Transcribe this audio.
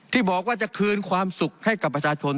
ที่บอกว่าจะคืนความสุขให้กับประชาชน